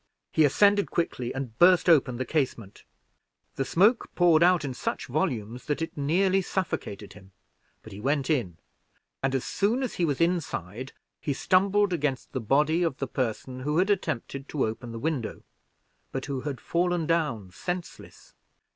He ascended quickly, and burst open the casement the smoke poured out in such volumes that it neatly suffocated him, but he went in; and as soon as he was inside, he stumbled against the body of the person who had attempted to open the window, but who had fallen down senseless.